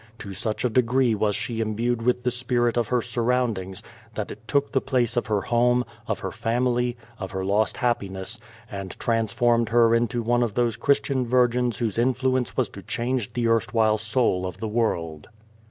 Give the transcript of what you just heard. To such a degree was she im bued with the spirit of her surroundings that it took the place of her home, of her family, of her lost happiness, and transformed her into one of those Christian virgins whose influence was to change the erstwhile soul of the world.